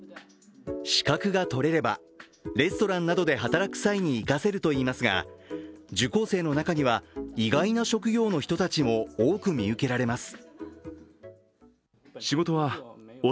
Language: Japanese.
資格が取れれば、レストランなどで働く際に生かせるといいますが、受講生の中には、意外な職業の人たちも多く見受けられます。